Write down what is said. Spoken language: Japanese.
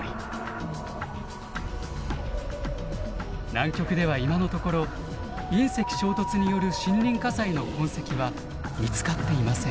南極では今のところ隕石衝突による森林火災の痕跡は見つかっていません。